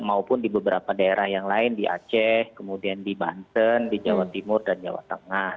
maupun di beberapa daerah yang lain di aceh kemudian di banten di jawa timur dan jawa tengah